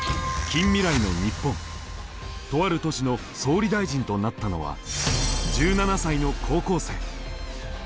とある都市の総理大臣となったのは１７才の高校生。